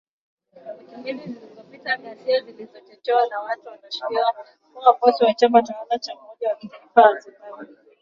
Wiki mbili zilizopita, ghasia zilizochochewa na watu wanaoshukiwa kuwa wafuasi wa chama tawala cha umoja wa kitaifa wa Zimbabwe.